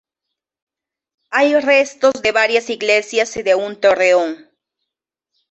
Hay restos de varias iglesias y de un torreón.